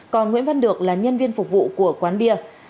còn nguyễn văn được là nhân viên phục vụ của quán bia